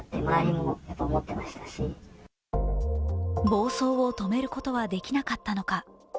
暴走を止めることはできなかったのか。